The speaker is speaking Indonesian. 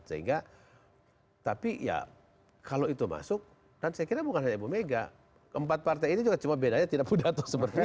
sehingga tapi ya kalau itu masuk dan saya kira bukan hanya ibu mega keempat partai ini juga cuma bedanya tidak punya untuk seperti itu